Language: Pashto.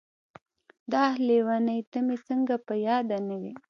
داح لېونۍ ته مې څنګه په ياده نه وې.